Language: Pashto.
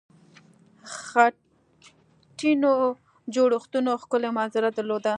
خټینو جوړښتونو ښکلې منظره درلوده.